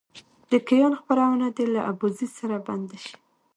د کیان خپرونه دې له ابوزید سره بنده شي.